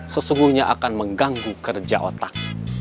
sesungguhnya akan mengganggu kerja otak